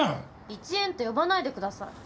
イチエンって呼ばないでください。